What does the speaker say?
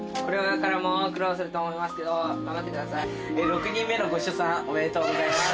６人目のご出産おめでとうございます。